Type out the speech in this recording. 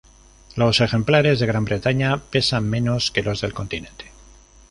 Los ejemplares de Gran Bretaña pesan menos que los del continente.